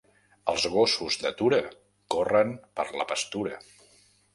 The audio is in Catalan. Els gossos d'atura corren per la pastura.